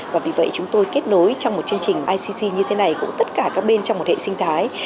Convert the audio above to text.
và vì vậy chúng tôi kết nối trong một chương trình icc như thế này cũng tất cả các bên trong một hệ sinh thái